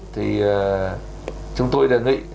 thì chúng tôi đề nghị